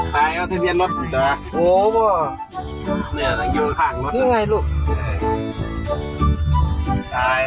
ใครเอาที่เยี่ยมรถอยู่ตรงนั้น